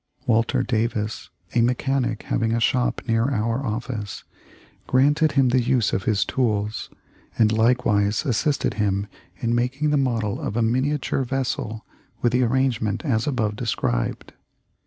Walter Davis, a mechanic having a shop near our office, granted him the use of this tools, and likewise assisted him in making the model of a miniature vessel with the arrangement as above described.